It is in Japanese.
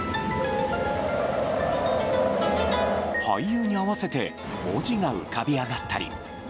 俳優に合わせて文字が浮かび上がったり。